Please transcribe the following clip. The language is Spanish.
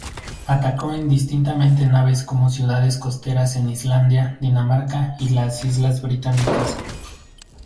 Atacó indistintamente naves como ciudades costeras en Islandia, Dinamarca y las Islas Británicas.